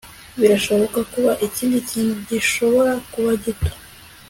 birashobora kuba ikindi kintu, gishobora kuba gito